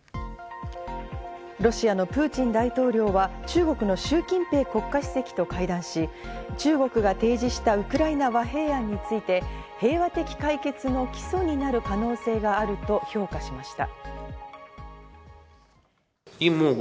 ロシアのプーチン大統領は中国のシュウ・キンペイ国家主席と会談し、中国が提示したウクライナ和平案について、平和的解決の基礎になる可能性があると評価しました。